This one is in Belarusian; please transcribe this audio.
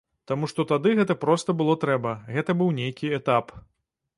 Таму што тады гэта проста было трэба, гэта быў нейкі этап.